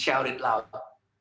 dan beri tanda